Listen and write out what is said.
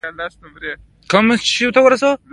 څوک چې اوښان ساتي، دروازې به لوړې جوړوي.